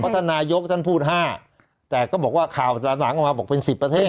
เพราะท่านนายกท่านพูดห้าแต่ก็บอกว่าข่าวสนับสนามเข้ามาบอกเป็นสิบประเทศ